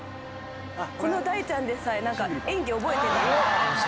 この大ちゃんでさえ演技覚えてないって。